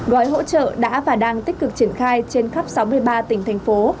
gói hỗ trợ đã và đang tích cực triển khai trên khắp sáu mươi ba tỉnh thành phố